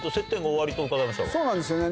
そうなんですよね